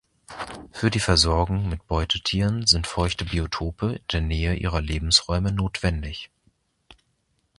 Für die Versorgung mit Beutetieren sind feuchte Biotope in der Nähe ihrer Lebensräume notwendig.